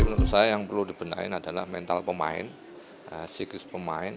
menurut saya yang perlu dibenahin adalah mental pemain siklus pemain